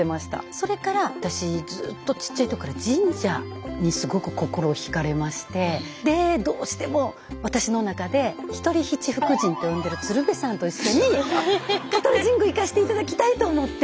それから私ずっとちっちゃい時から神社にすごく心をひかれましてでどうしても私の中で「ひとり七福神」と呼んでる鶴瓶さんと一緒に香取神宮行かして頂きたいと思って。